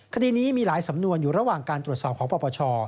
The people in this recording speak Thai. คดีนี้มีหลายสำนวนอยู่ระหว่างการตรวจสอบของปปช